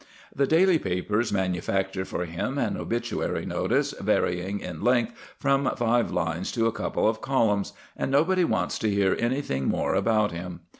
The daily papers manufacture for him an obituary notice varying in length from five lines to a couple of columns, and nobody wants to hear anything more about him.